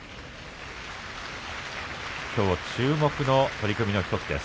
きょう注目の取組の１つです。